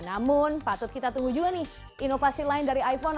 namun patut kita tunggu juga nih inovasi lain dari iphone